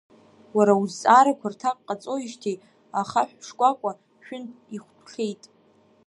Уара узҵаарақәа рҭак ҟаҵоижьҭеи, ахаҳә шкәакәа шәынтә ихәтәхьеит.